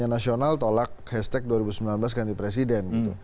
kampanye nasional tolak hashtag dua ribu sembilan belas ganti presiden